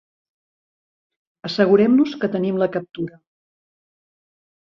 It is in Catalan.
Assegure'm-nos que tenim la captura.